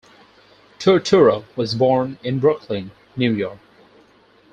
Turturro was born in Brooklyn, New York.